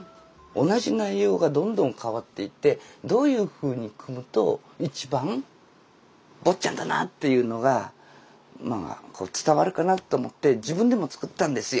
同じ内容がどんどん変わっていってどういうふうに組むと一番「坊っちゃん」だなっていうのが伝わるかなと思って自分でも作ったんですよ。